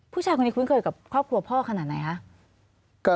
ผู้ชายคนนี้คุ้นเคยกับครอบครัวพ่อขนาดไหนคะ